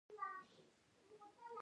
د بدخشان په بهارک کې د سرو زرو نښې شته.